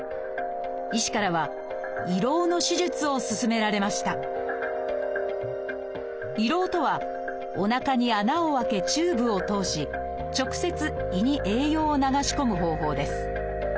医師からは胃ろうの手術を勧められました「胃ろう」とはおなかに穴を開けチューブを通し直接胃に栄養を流し込む方法です